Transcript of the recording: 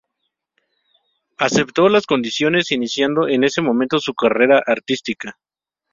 Aceptó las condiciones, iniciando en ese momento su carrera artística.